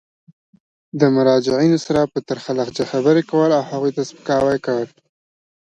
د مراجعینو سره په ترخه لهجه خبري کول او هغوی ته سپکاوی کول.